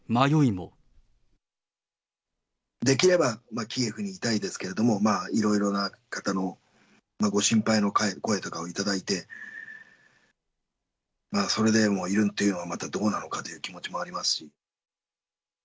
できれば、キエフにいたいですけれども、いろいろな方のご心配の声とかを頂いて、それでもいるっていうのはまたどうなのかなという気持ちもありますし。